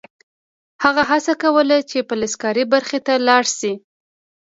هغه هڅه وکړه چې فلزکاري برخې ته لاړ شي